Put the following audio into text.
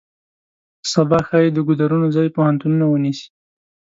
سبا ښایي د ګودرونو ځای پوهنتونونه ونیسي.